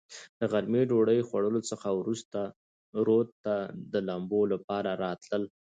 د غرمې ډوډوۍ خوړلو څخه ورورسته رود ته د لمبو لپاره راتلل.